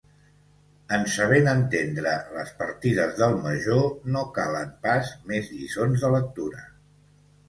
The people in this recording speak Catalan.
En sabent entendre les partides del Major, no calen pas més lliçons de lectura.